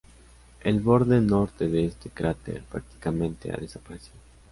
El borde norte de este cráter prácticamente ha desaparecido.